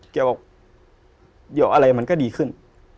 เดี๋ยวอะไรมันก็ดีขึ้น